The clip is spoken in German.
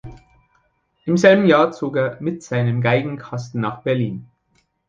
Im selben Jahr zog er „mit seinem Geigenkasten nach Berlin“.